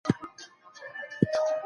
بیړنۍ غونډي کله راغوښتل کیږي؟